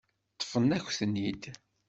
Ṭṭfen-akent-ten-id.